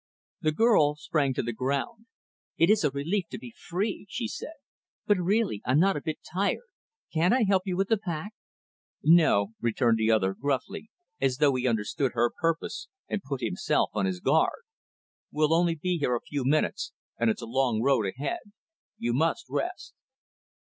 The girl sprang to the ground. "It is a relief to be free," she said. "But, really, I'm not a bit tired. Can't I help you with the pack?" "No," returned the other, gruffly, as though he understood her purpose and put himself on his guard. "We'll only be here a few minutes, and it's a long road ahead. You must rest."